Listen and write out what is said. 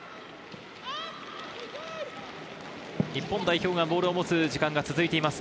日本代表がボールを持つ時間が続いています。